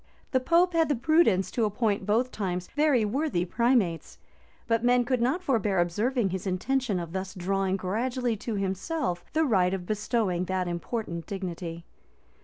The pope had the prudence to appoint both times very worthy primates; but men could not forbear observing his intention of thus drawing gradually to himself the right of bestowing that important dignity.